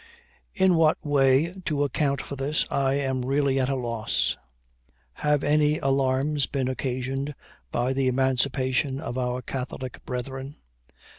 In what way to account for this I am really at a loss. Have any alarms been occasioned by the emancipation of our Catholic brethren?